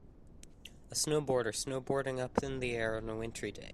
A snowboarder snowboarding up in the air on a wintry day.